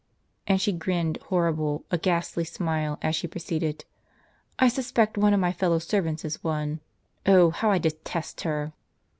And she grinned horrible a ghastly smile as she proceeded :" I suspect one of my fellow servants is one. Oh, how I detest her!